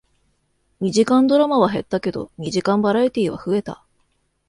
二時間ドラマは減ったけど、二時間バラエティーは増えた